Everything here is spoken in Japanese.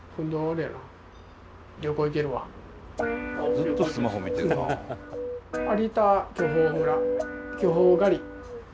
ずっとスマホ見てるなあ。